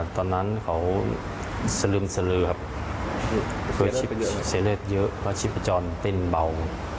ตอนนั้นเค้าเสลิมเสลือครับเสียเลือดเยอะเค้าชิบประจอนเต้นเบา